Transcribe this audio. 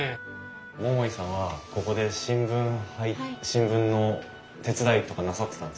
桃井さんはここで新聞の手伝いとかなさってたんですか？